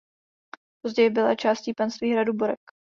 Později byla částí panství hradu Borek.